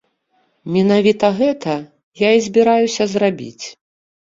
Менавіта гэта я і збіраюся зрабіць.